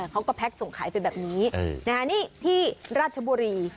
เขาก็แพ็คส่งขายไปแบบนี้นี่ที่ราชบุรี